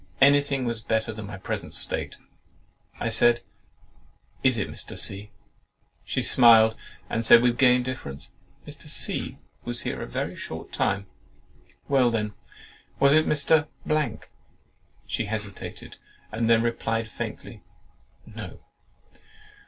Any thing was better than my present state. I said, "Is it Mr. C——?" She smiled, and said with gay indifference, "Mr. C—— was here a very short time." "Well, then, was it Mr. ——?" She hesitated, and then replied faintly, "No."